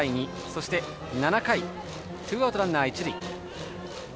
そして、７回ツーアウトランナー、一塁。